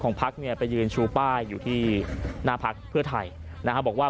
พักเนี่ยไปยืนชูป้ายอยู่ที่หน้าพักเพื่อไทยนะฮะบอกว่า